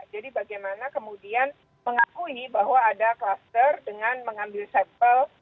jadi bagaimana kemudian mengakui bahwa ada klaster dengan mengambil sampel